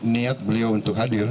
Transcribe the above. niat beliau untuk hadir